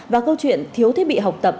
và câu chuyện thiếu thiết bị học tập